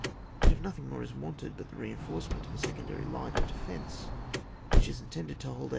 But if nothing more is wanted but the reinforcement of a secondary line of defence which is intended to hold out CHAP.